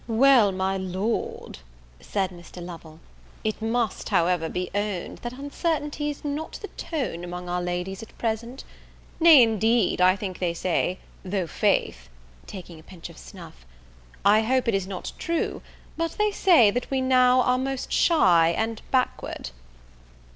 "Well, my Lord," said Mr. Lovel, "it must, however, be owned, that uncertainty is not the ton among our ladies at present; nay, indeed, I think they say, though faith," taking a pinch of snuff, "I hope it is not true but they say, that we now are most shy and backward."